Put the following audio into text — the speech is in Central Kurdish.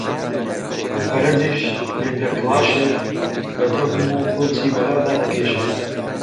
فەرەجیش لینگە کەڵاشێک بە دەم و فڵچی مەلادا دەکێشێ